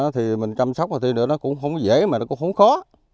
thì mình chăm sóc rồi thì nó cũng không dễ mà nó cũng không khó